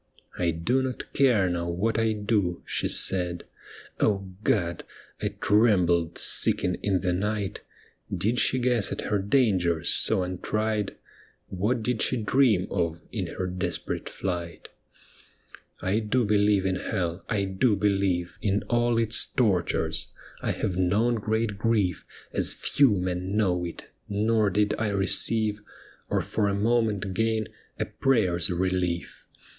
' I do not care now what I do,' she said. O God ! I trembled, seeking in the night, Did she guess at her dangers, so untried. 'THE ME WITHIN TIIHE BLIND!' 107 What did she dream of in licr desperate flight? I do believe in hell, I do believe In all its tortures. I have known great grief As few men know it, nor did I receive Or for a moment gain a prayer's relief.